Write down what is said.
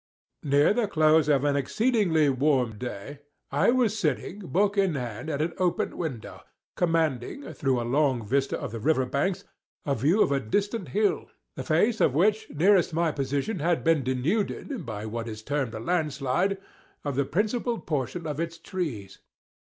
Near the close of exceedingly warm day, I was sitting, book in hand, at an open window, commanding, through a long vista of the river banks, a view of a distant hill, the face of which nearest my position had been denuded by what is termed a land slide, of the principal portion of its trees.